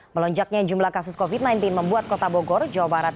melonjaknya jumlah kasus covid sembilan belas membuat kota bogor jawa barat